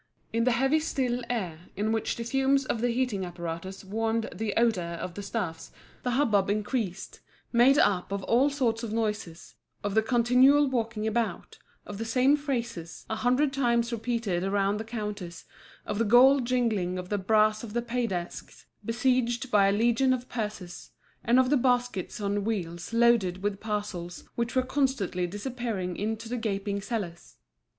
In the heavy still air, in which the fumes of the heating apparatus warmed the odour of the stuffs, the hubbub increased, made up of all sorts of noises, of the continual walking about, of the same phrases, a hundred times repeated around the counters, of the gold jingling on the brass of the pay desks, besieged by a legion of purses, and of the baskets on wheels loaded with parcels which were constantly disappearing into the gaping cellars.